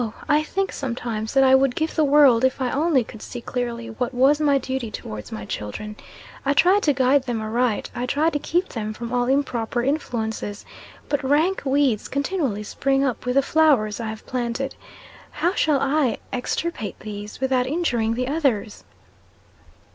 I think, sometimes, that I would give the world if I only could see clearly what was my duty towards my children. I try to guide them aright I try to keep them from all improper influences but rank weeds continually spring up with the flowers I have planted. How shall I extirpate these, without injuring the others?"